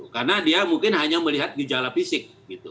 karena dia mungkin hanya melihat gejala fisik